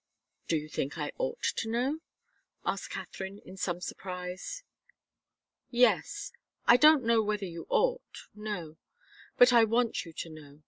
"Do you think I ought to know?" asked Katharine, in some surprise. "Yes I don't know whether you ought no. But I want you to know.